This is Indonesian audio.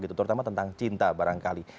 terutama tentang cinta barangkali